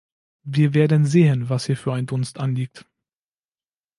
Wir werden sehen, was hier für ein Dunst anliegt!